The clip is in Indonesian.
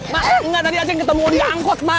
mak enggak tadi aja yang ketemu dia angkot mak